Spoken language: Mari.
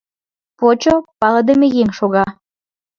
Почо — палыдыме еҥ шога.